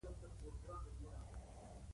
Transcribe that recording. احمد له خپله کوره په توره تېښته دی.